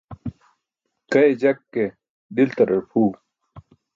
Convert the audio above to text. Kaye jak ke, diltarar pʰuu.